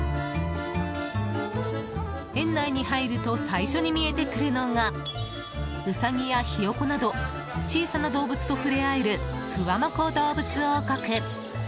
園内に入ると最初に見えてくるのがウサギやヒヨコなど小さな動物と触れ合える、ふわもこ動物王国。